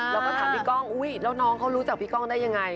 แล้วก็ถามพี่ก้องอุ๊ยแล้วน้องเขารู้จักพี่ก้องได้ยังไง